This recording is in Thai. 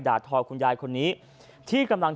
ทอคุณยายคนนี้ที่กำลัง